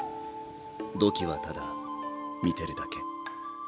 土器はただ見てるだけ。